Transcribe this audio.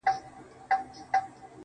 ډك د ميو جام مي د زړه ور مــات كړ.